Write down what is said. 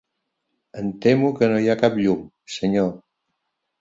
Em temo que no hi ha cap llum, senyor.